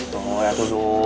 tuh tuh tuh